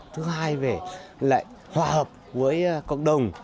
thứ hai về lại hòa hợp với cộng đồng